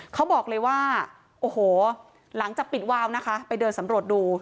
เขาบอกเลยว่าโอ้โหหลังจากปิดวาวนะคะไปเดินสำรวจดู